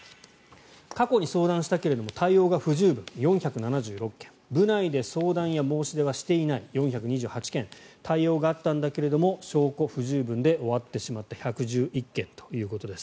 過去に相談したけれども対応が不十分、４７６件部内で相談や申し出はしていない４２８件対応があったんだけど証拠不十分で終わってしまった１１１件ということです。